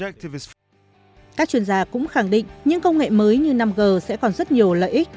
các chuyên gia cũng khẳng định những công nghệ mới như năm g sẽ còn rất nhiều lợi ích